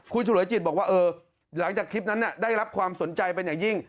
คุณฉลวยจิตบอกว่าหลังจากคลิปนั้นได้รับความสนใจเป็นอย่างยิ่ง